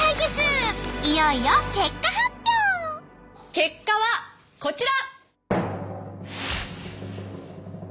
結果はこちら！